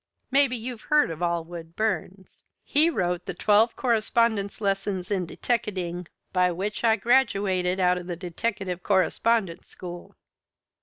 Maybe you've heard of Allwood Burns. He wrote the 'Twelve Correspondence Lessons in Deteckating' by which I graduated out of the Deteckative Correspondence School."